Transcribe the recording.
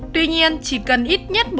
tuy nhiên chỉ cần ít nhất một